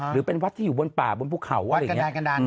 หรือเป็นวัดที่อยู่บนป่าบนภูเขาวัดกระดาน